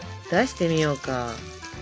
出してみようか。